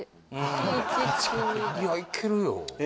いやいけるよ